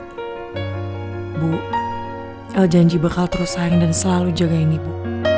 ibu el janji bakal terus sayang dan selalu jaga ini ibu